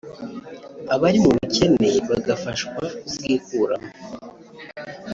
abari mu bukene bagafashwa kubwikuramo